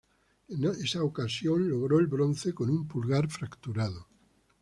En esa ocasión, logró el bronce con un pulgar fracturado.